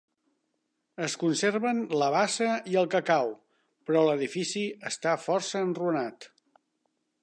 Es conserven la bassa i el cacau, però l'edifici està força enrunat.